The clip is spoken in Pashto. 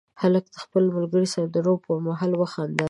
هلک د خپل ملګري سره د لوبو پر مهال وخندل.